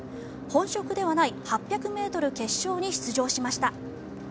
本職ではない８００ｍ決勝に出場しました。